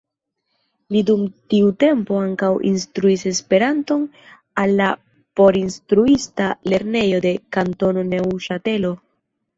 Li dum tiu tempo ankaŭ instruis Esperanton al la porinstruista lernejo de Kantono Neŭŝatelo.